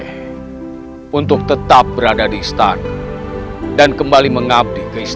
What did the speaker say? yang menceng elbows